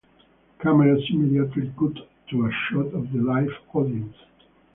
Cameras immediately cut to a shot of the live audience.